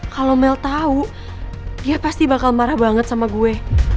kalau mel tahu dia pasti bakal marah banget sama gue